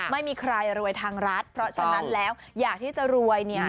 ไม่มีใครรวยทางรัฐเพราะฉะนั้นแล้วอยากที่จะรวยเนี่ย